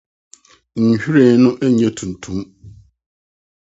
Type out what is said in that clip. nhwiren no nyɛ tuntum.